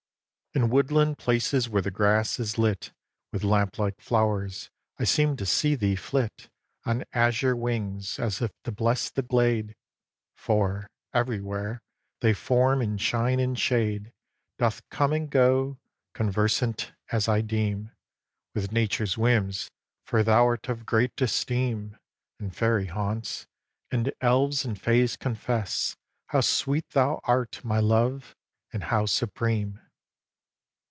xviii. In woodland places where the grass is lit With lamp like flowers, I seem to see thee flit On azure wings, as if to bless the glade; For, everywhere, thy form in shine and shade Doth come and go, conversant, as I deem, With Nature's whims; for thou'rt of great esteem In fairy haunts; and elves and fays confess How sweet thou art, my Love! and how supreme.